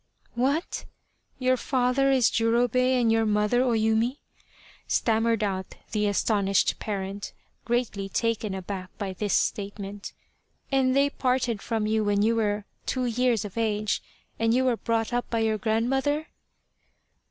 " What ? Your father is Jurobei and your mother O Yumi ?" stammered out the astonished parent, greatly taken aback by this statement. " And they parted from you when you were two years of age, and you were brought up by your grandmother